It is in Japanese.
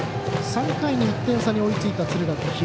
３回に１点差に追いついた敦賀気比。